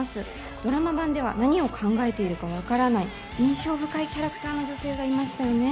ドラマ版では何を考えているかわからない印象深いキャラクターの女性がいましたよね。